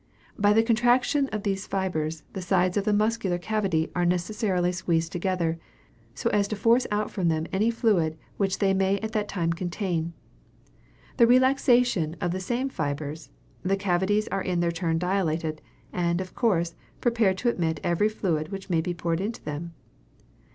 By the contraction of these fibres, the sides of the muscular cavity are necessarily squeezed together, so as to force out from them any fluid which they may at that time contain: by the relaxation of the same fibres, the cavities are in their turn dilated, and, of course, prepared to admit every fluid which may be poured into them.